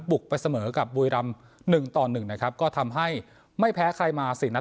ไปเสมอกับบุรีรำหนึ่งต่อหนึ่งนะครับก็ทำให้ไม่แพ้ใครมาสี่นัด